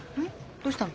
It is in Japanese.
どうしたの？